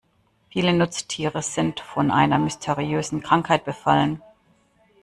Viele Nutztiere sind von einer mysteriösen Krankheit befallen.